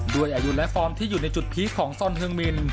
ด้วยอายุและฟอร์มที่อยู่ในจุดพีคของซอนเฮืองมิน